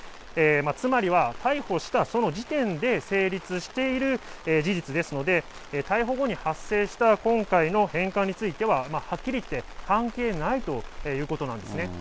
つまりは逮捕したその時点で成立している事実ですので、逮捕後に発生した今回の返還については、はっきり言って関係ないということなんですね。